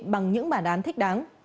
bằng những bản đán thích đáng